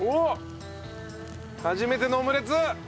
初めてのオムレツ！